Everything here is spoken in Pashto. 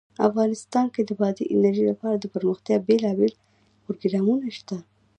افغانستان کې د بادي انرژي لپاره دپرمختیا بېلابېل پروګرامونه شته.